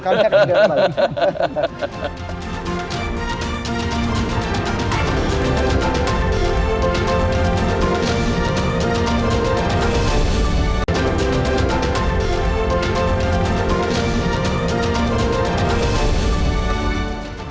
kami akan mikir lagi